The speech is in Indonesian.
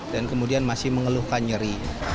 dan kemudian masih mengeluhkan nyeri